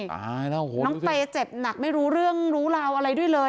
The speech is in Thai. ตายแล้วน้องเตยเจ็บหนักไม่รู้เรื่องรู้ราวอะไรด้วยเลย